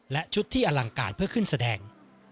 และชุดที่อลังการเพื่อขึ้นแสดง